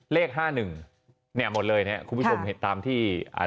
เลขห้าหนึ่งเนี่ยหมดเลยเนี้ยคุณผู้ชมเห็นตามที่อ่า